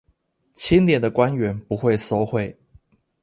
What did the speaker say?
清廉的官員不會收賄